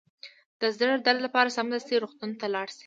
د زړه د درد لپاره سمدستي روغتون ته لاړ شئ